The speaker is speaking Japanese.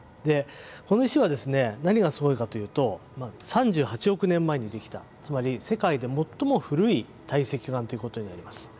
この石はですね何がすごいかというと３８億年前にできたつまり世界で最も古い堆積岩ということになります。